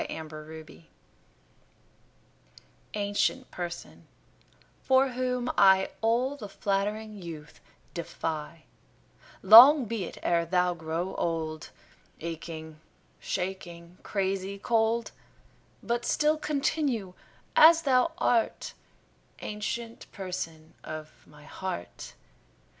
7 Autoplay Ancient Person, for whom I All the flattering youth defy, Long be it e'er thou grow old, Aching, shaking, crazy cold; But still continue as thou art, Ancient Person of my heart.